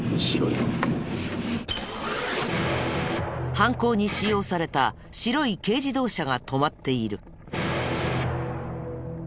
犯行に使用された白い軽自動車が止まっている。